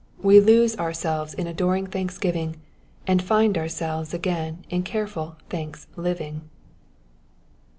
We lose ourselves in adoring thanksgiving, and find ourselves again in careful thanks liviDg.